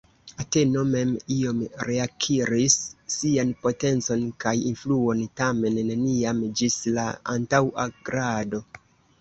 Ateno mem iom reakiris sian potencon kaj influon, tamen neniam ĝis la antaŭa grado.